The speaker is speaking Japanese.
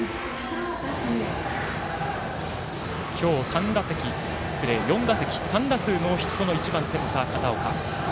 今日４打席３打数ノーヒットの１番センター、片岡。